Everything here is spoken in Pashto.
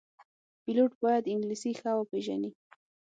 پیلوټ باید انګلیسي ښه وپېژني.